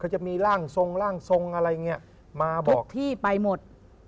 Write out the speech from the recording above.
จะมีร่างทรงร่างทรงอะไรอย่างนี้มาบอกที่ไปหมด